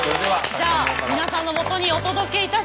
じゃあ皆さんのもとにお届けいたします。